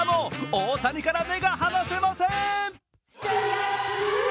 大谷から目が離せません。